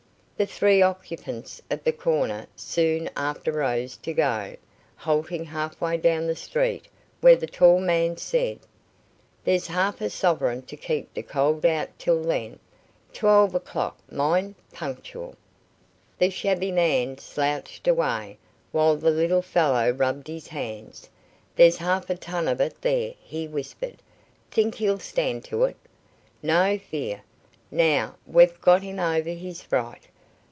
The three occupants of the corner soon after rose to go, halting half way down the street, where the tall man said: "There's half a sovereign to keep the cold out till then. Twelve o'clock, mind, punctual." The shabby man slouched away, while the little fellow rubbed his hands. "There's half a ton of it there," he whispered. "Think he'll stand to it?" "No fear, now we've got him over his fright.